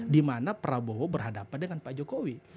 dimana prabowo berhadapan dengan pak jokowi